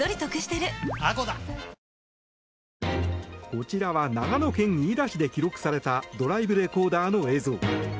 こちらは長野県飯田市で記録されたドライブレコーダーの映像。